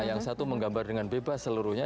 yang satu menggambar dengan bebas seluruhnya